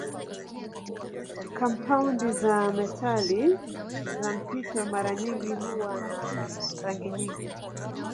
Kampaundi za metali za mpito mara nyingi huwa na rangi nyingi.